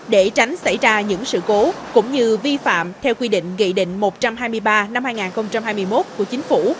để tránh xảy ra những sự cố cũng như vi phạm theo quy định nghị định một trăm hai mươi ba năm hai nghìn hai mươi một của chính phủ